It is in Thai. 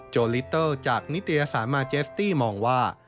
ลิเตอร์จากนิตยสารมาเจสตี้มองว่า